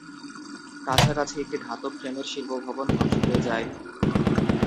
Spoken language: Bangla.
কাছাকাছি একটি ধাতব ফ্রেমের শিল্প ভবন ধ্বংস হয়ে যায়।